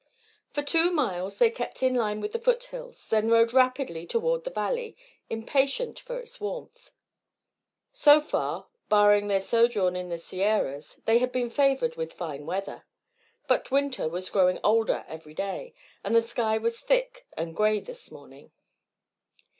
For two miles they kept in line with the foot hills, then rode rapidly toward the valley, impatient for its warmth. So far, barring their sojourn in the Sierras, they had been favoured with fine weather; but winter was growing older every day, and the sky was thick and grey this morning.